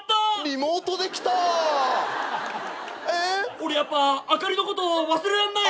俺やっぱアカリのこと忘れらんない。